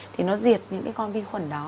thì nó diệt những cái con vi khuẩn đó